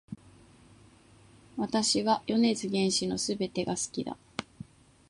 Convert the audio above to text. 私は米津玄師の全てが好きだ